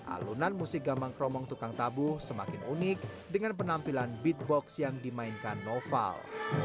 alunan musik gambang kromong tukang tabu semakin unik dengan penampilan beatbox yang dimainkan noval